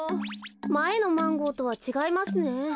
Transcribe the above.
まえのマンゴーとはちがいますね。